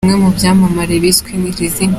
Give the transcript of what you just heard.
Bamwe mu byamamare byiswe iri zina.